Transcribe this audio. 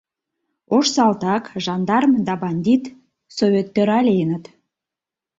Ош салтак, жандарм да бандит... совет тӧра лийыныт